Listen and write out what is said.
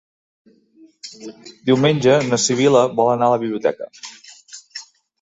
Diumenge na Sibil·la vol anar a la biblioteca.